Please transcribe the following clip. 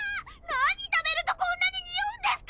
何食べるとこんなににおうんですか！